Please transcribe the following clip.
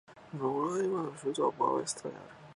ロライマ州の州都はボア・ヴィスタである